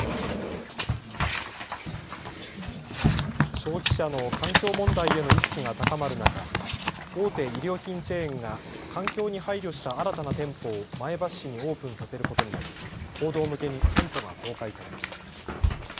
消費者の環境問題への意識が高まる中、大手衣料品チェーンが環境に配慮した新たな店舗を前橋市にオープンさせることになり報道向けに店舗が公開されました。